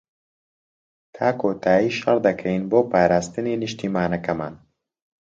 تا کۆتایی شەڕ دەکەین بۆ پاراستنی نیشتمانەکەمان.